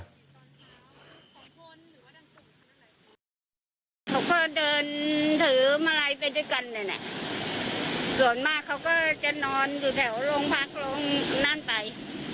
เขาก็เดินถือมาลัยไปด้วยกันเนี่ยนะส่วนมากเขาก็จะนอนอยู่แถวโรงพักโรงนั่นไป